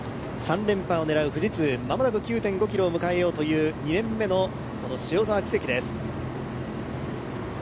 ３連覇を狙う富士通、間もなく９．５ｋｍを迎えようというこの２年目の塩澤稀夕です。